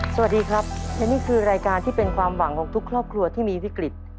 สวัสดีครับและนี่คือรายการที่เป็นความหวังของทุกครอบครัวที่มีวิกฤต